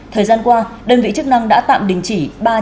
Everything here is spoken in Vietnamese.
thời gian qua đơn vị chức năng đã tạm đình chỉ